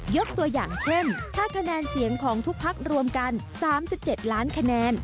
ยกตัวอย่างเช่นถ้าคะแนนเสียงของทุกพักรวมกัน๓๗ล้านคะแนน